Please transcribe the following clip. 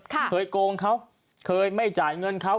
เคยโกงเขาเคยไม่จ่ายเงินเขา